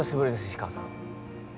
氷川さん。